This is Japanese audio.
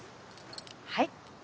はい。